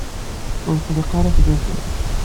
Ur tqelliq ara fell-asen.